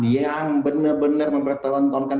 yang benar benar mempertahankan